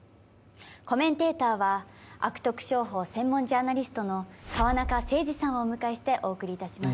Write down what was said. コメンテーターは悪徳商法専門ジャーナリストの川中誠司さんをお迎えしてお送りいたします